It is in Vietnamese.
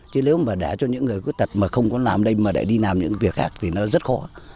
chứ nếu mà để cho những người khuyết tật mà không có làm đây mà để đi làm những việc khác thì nó rất khó